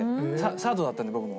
サードだったんで僕も。